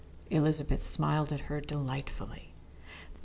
Elizabeth smiled at her delightfully.